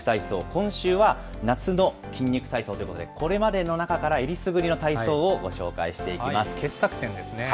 今週は夏の筋肉体操ということで、これまでの中からえりすぐりの体傑作選ですね。